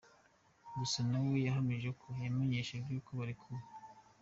Gusa nawe yahamije ko yamenyeshejwe ko barekuwe.